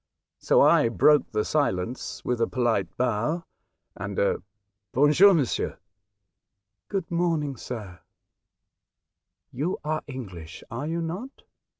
So I broke the silence with a polite bow and a *' Bonjour, monsieur." '' Good morning, sir ; you are English, are you not